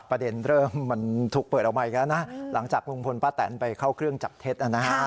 ประเด็นเริ่มมันถูกเปิดออกมาอีกแล้วนะหลังจากลุงพลป้าแตนไปเข้าเครื่องจับเท็จนะฮะ